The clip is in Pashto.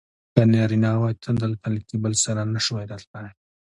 که نارینه وای نو ته دلته له کیبل سره نه شوای راتلای.